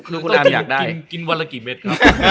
คือคุณอามอยากได้กินวันละกี่เม็ดครับ